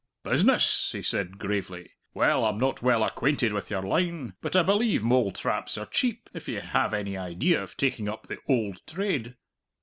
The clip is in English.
"Business!" he said gravely. "Well, I'm not well acquainted with your line, but I believe mole traps are cheap if ye have any idea of taking up the oald trade."